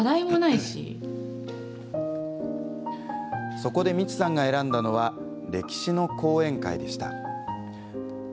そこで、みちさんが選んだのは歴史の講演会でした。